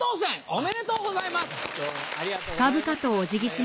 ありがとうございます。